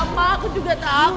sama aku juga takut